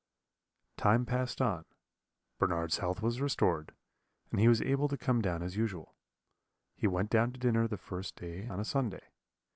"Time passed on, Bernard's health was restored, and he was able to come down as usual. He went down to dinner the first day on a Sunday.